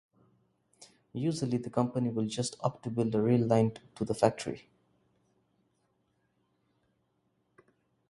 Usually the company will just opt to build a rail line to the factory.